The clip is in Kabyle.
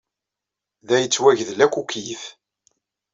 Da yettwagdel akk ukeyyef.